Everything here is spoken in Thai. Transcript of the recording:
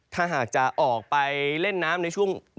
ถ้าหากจะออกไปเล่นน้ำในช่วง